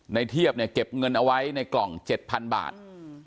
ในเทียบเนี่ยเก็บเงินเอาไว้ในกล่องเจ็ดพันบาทอืม